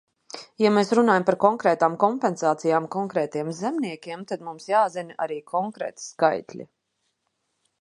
Ja mēs runājam par konkrētām kompensācijām konkrētiem zemniekiem, tad mums jāzina arī konkrēti skaitļi.